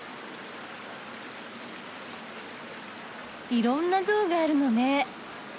いろんな像があるのね。